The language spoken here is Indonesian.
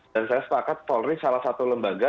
dan saya sepakat polri salah satu lembaga